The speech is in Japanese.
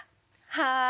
はい。